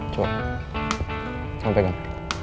coba kamu pegang